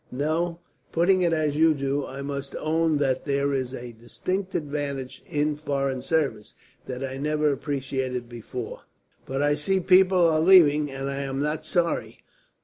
No, putting it as you do, I must own that there is a distinct advantage in foreign service, that I never appreciated before. "But I see people are leaving, and I am not sorry.